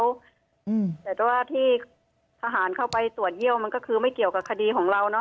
แต่ว่าที่ทหารเข้าไปตรวจเยี่ยวมันก็คือไม่เกี่ยวกับคดีของเราเนอ